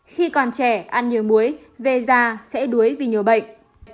khi còn trẻ ăn nhiều muối về già sẽ đuối vì nhiều bệnh